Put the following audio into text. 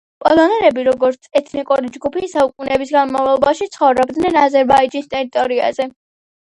პოლონელები, როგორც ეთნიკური ჯგუფი, საუკუნეების განმავლობაში ცხოვრობდნენ აზერბაიჯანის ტერიტორიაზე.